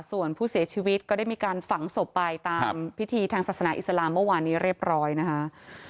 ส่วนผู้เสียชีวิตก็ได้มีการฝังศพไปตามพิธีทางศาสนาอิสลามเมื่อวานนี้เรียบร้อยนะคะ